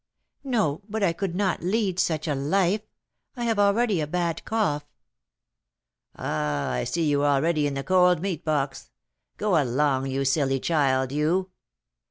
"No; but I could not lead such a life. I have already a bad cough." "Ah, I see you already in the 'cold meat box.' Go along, you silly child, you!"